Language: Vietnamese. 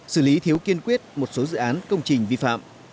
xử lý thiếu kiên quyết một số dự án công trình vi phạm